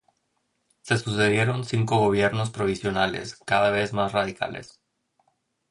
Se sucedieron cinco gobiernos provisionales, cada vez más radicales.